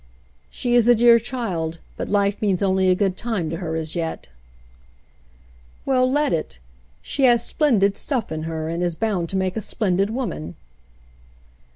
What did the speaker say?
"She is a dear child, but life means only a good time to her as yet." "Well, let it. She has splendid stuff in her and is bound to make a splendid woman."